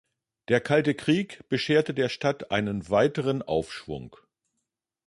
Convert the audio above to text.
Der Kalte Krieg bescherte der Stadt einen weiteren Aufschwung.